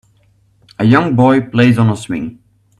A young boy plays on a swing.